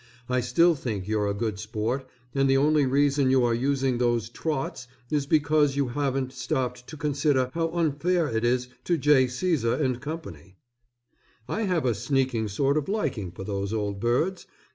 I still think you're a good sport, and the only reason you are using those "trots" is because you haven't stopped to consider how unfair it is to J. Cæsar & Co. I have a sneaking sort of liking for those old birds.